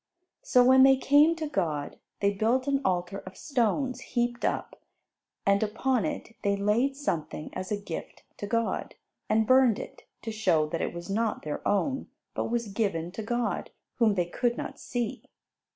So when they came to God, they built an altar of stones heaped up, and upon it, they laid something as a gift to God, and burned it, to show that it was not their own, but was given to God, whom they could not see.